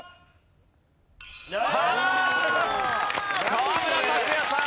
河村拓哉さん